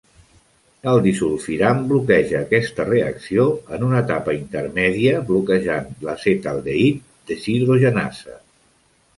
El disulfiram bloqueja aquesta reacció en una etapa intermèdia bloquejant l'acetaldehid deshidrogenasa.